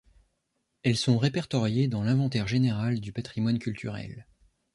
Elles sont répertoriées dans l'inventaire général du patrimoine culturel.